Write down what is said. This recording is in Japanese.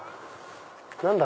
何だ？